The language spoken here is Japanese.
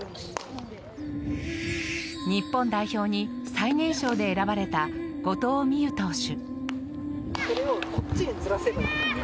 日本代表に最年少で選ばれた後藤希友投手。